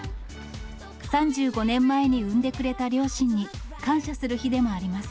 ３５年前に産んでくれた両親に感謝する日でもあります。